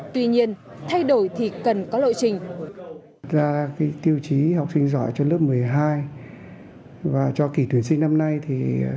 tuy nhiên thay đổi thì cần có lội trình